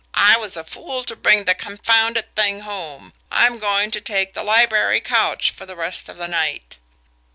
"I was a fool to bring the confounded thing home. I'm going to take the library couch for the rest of the night."